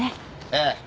ええ。